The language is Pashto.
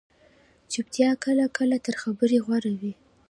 چُپتیا کله کله تر خبرې غوره وي